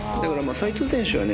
斎藤選手はね